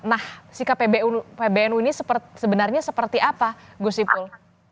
nah sikap pbnu ini sebenarnya seperti apa gus ipul